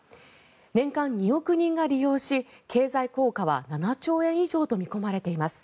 年間２億人が利用し、経済効果は７兆円以上と見込まれています。